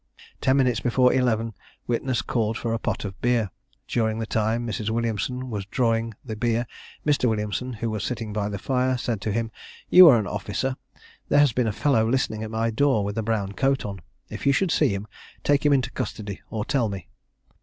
Ten minutes before eleven witness called for a pot of beer. During the time Mrs. Williamson was drawing the beer, Mr. Williamson, who was sitting by the fire, said to him, "You are an officer there has been a fellow listening at my door with a brown coat on; if you should see him, take him into custody, or tell me."